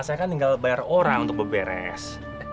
saya kan tinggal bayar orang untuk berberes